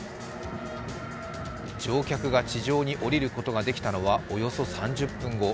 乗客が地上に降りることができたのはおよそ３０分後。